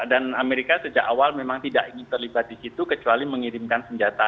dan amerika sejak awal memang tidak terlibat di situ kecuali mengirimkan senjata